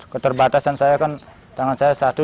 keterbatasan saya kan tangan saya satu